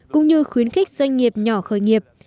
cũng như khuyến khích doanh nghiệp nhỏ khởi nghiệp